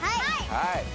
はい！